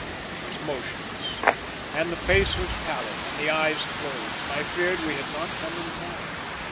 It was motionless and the face was pallid and the eyes closed and I feared we had not come in time.